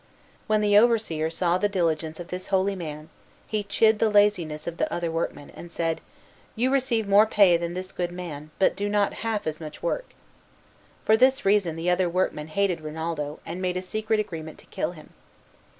When the overseer saw the diligence of this holy man he chid the laziness of the other workmen, and said, "You receive more pay than this good man, but do not do half as much work." For this reason the other workmen hated Rinaldo, and made a secret agreement to kill him.